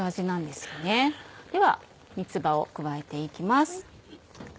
では三つ葉を加えて行きます。